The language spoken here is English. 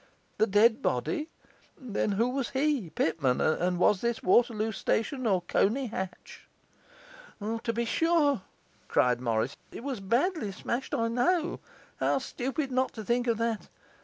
the dead body? then who was he, Pitman? and was this Waterloo Station or Colney Hatch? 'To be sure!' cried Morris; 'it was badly smashed, I know. How stupid not to think of that!